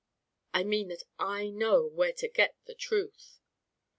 "I mean that I know where to get the truth."